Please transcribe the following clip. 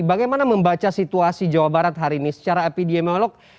bagaimana membaca situasi jawa barat hari ini secara epidemiolog